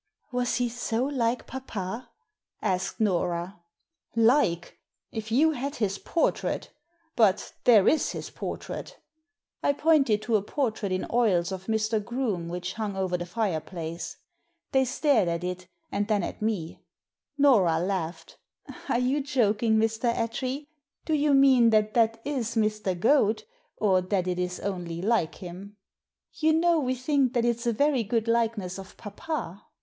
" Was he so like papa ?" asked Nora. " Like ! If you had his portrait But there is his portrait" I pointed to a portrait in oils of Mr. Groome which hung over the fireplace. They stared at it and then at me. Nora laughed. "Are you joking, Mr. Attree? Do you mean that that is Mr. Goad, or that it is only like him ? You Digitized by VjOOQIC 232 THE SEEN AND THE UNSEEN know we think that it's a very good likeness of papa."